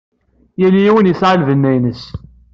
Yal yiwen yesɛa lbenna-nnes.